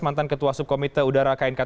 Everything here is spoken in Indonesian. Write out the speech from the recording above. mantan ketua subkomite udara knkt